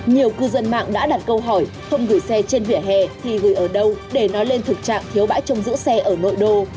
nhiều cư dân mạng đã đặt câu hỏi không gửi xe trên vỉa hè thì gửi ở đâu để nói lên thực trạng thiếu bãi trông giữ xe ở nội đô